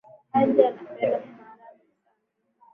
Ali anapenda maharagwe sana.